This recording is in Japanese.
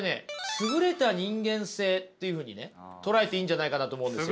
優れた人間性というふうにね捉えていいんじゃないかなと思うんですよ。